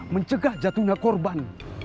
mencegah jatuhnya korban